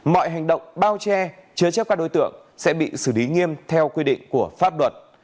mọi hành động bao che chứa chấp các đối tượng sẽ bị xử lý nghiêm theo quy định của pháp luật